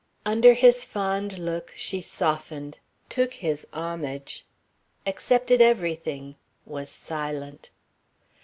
Under his fond look, she softened, took his homage, accepted everything, was silent.